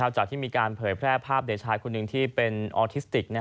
ที่มีการเผยแพร่ภาพเด็กชายคนหนึ่งที่เป็นออทิสติก